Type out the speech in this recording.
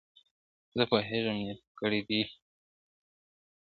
زه پوهېږم نیت دي کړی د داړلو ..